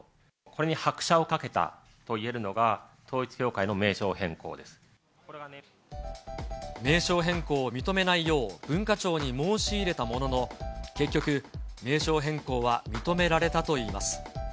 これに拍車をかけたといえるのが、名称変更を認めないよう、文化庁に申し入れたものの、結局、名称変更は認められたといいます。